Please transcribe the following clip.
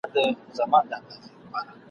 جهاني څه به پر پردیو تهمتونه وایو ..